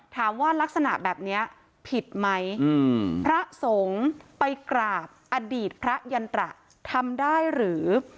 ลักษณะแบบนี้ผิดไหมพระสงฆ์ไปกราบอดีตพระยันตระทำได้หรือ